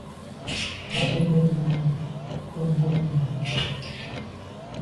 Mba zit mèn no nke mbù’ miag mi.